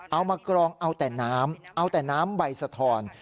เอามากรองเอาแต่น้ำเอาแต่น้ำใบสะทอน